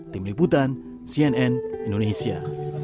tim liputan cnn indonesia